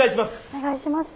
お願いします。